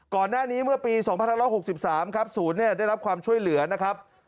ก่อนหน้านี้เมื่อปี๒๑๖๓ครับศูนย์ได้รับความช่วยเหลือนะครับ